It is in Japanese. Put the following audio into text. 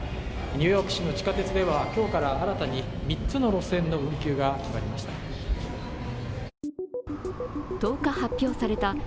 ニューヨーク市の地下鉄では今日から新たに３つの路線の運休が決まりました。